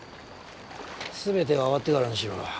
すべてが終わってからにしろ。